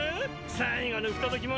最後の不届き者